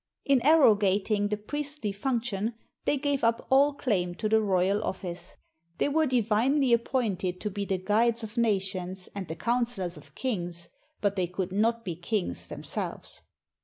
In arrogating the priestly function, they gave up all claim to the royal office. They were divinely appointed to be the guides of nations and the counselors of kings, 8 PRIMITIVE PEOPLES OF INDIA but they could not be kings themselves.